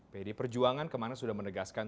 pdi perjuangan kemarin sudah menegaskan